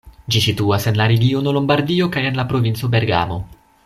Ĝi situas en la regiono Lombardio kaj en la provinco Bergamo.